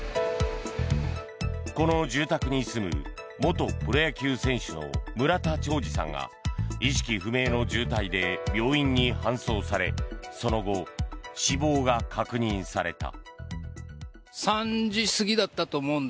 この住宅に住む元プロ野球選手の村田兆治さんが意識不明の重体で病院に搬送されその後、死亡が確認された。